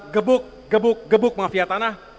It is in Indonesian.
gebuk gebuk gebuk mafia tanah